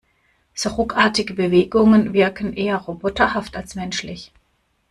So ruckartige Bewegungen wirken eher roboterhaft als menschlich.